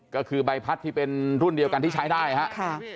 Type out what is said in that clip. ก็คือใบพัดที่เป็นรุ่นเดียวกันที่ใช้ได้ครับ